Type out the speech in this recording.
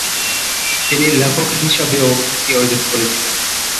তিনি লেখক হিসাবেও খ্যাতি অর্জন করেছিলেন।